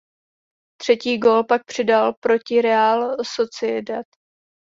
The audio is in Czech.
Třetí gól pak přidal proti Real Sociedad.